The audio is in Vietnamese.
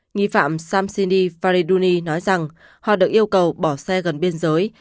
nghi phạm samshiny fariduni nói rằng họ được yêu cầu bỏ xe gần biên giới